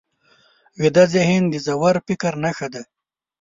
ویده ذهن د ژور فکر نښه ده